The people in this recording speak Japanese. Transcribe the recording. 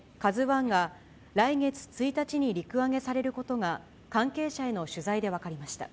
ＫＡＺＵＩが、来月１日に陸揚げされることが、関係者への取材で分かりました。